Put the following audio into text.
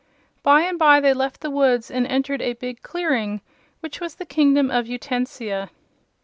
By and by they left the woods and entered a big clearing, in which was the Kingdom of Utensia.